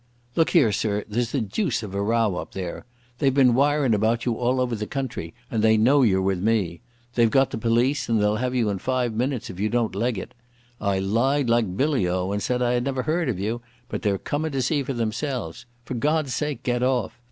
"Look here, sir, there's the deuce of a row up there. They've been wirin' about you all over the country, and they know you're with me. They've got the police, and they'll have you in five minutes if you don't leg it. I lied like billy o and said I had never heard of you, but they're comin' to see for themselves. For God's sake get off....